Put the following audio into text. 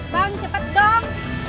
bang cepet dong